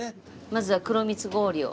まずは黒蜜氷を。